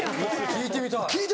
聞いてみたい。